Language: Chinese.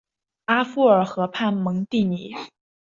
阿夫尔河畔蒙蒂尼。